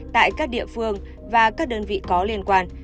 tại các địa phương và các đơn vị có liên quan